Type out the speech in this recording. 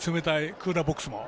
冷たいクーラーボックスも。